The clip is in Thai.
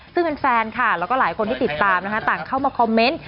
ซึ่งแฟนค่ะแล้วก็หลายคนที่ติดตามนะคะต่างเข้ามาคอมเมนต์